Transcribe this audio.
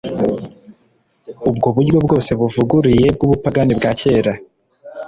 ubwo buryo bwose buvuguruye bw'ubupagani bwa kera,